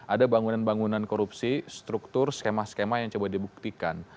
ada bangunan bangunan korupsi struktur skema skema yang coba dibuktikan